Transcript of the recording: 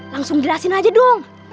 langsung jelasin aja dong